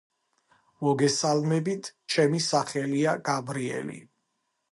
მოგესალებით ჩემი სახელია გაბრიელი